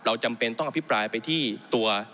จำเป็นต้องอภิปรายไปที่ตัว